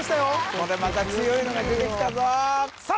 ここでまた強いのが出てきたぞさあ